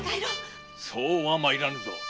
そうは参らぬぞ。